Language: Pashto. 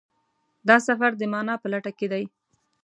دا سفر د مانا په لټه کې دی.